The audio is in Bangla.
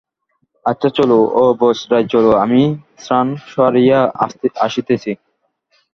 আচ্ছা চলো, ঐ বজরায় চলো, আমি স্নান সারিয়া আসিতেছি।